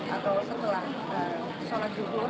atau setelah sholat yuhur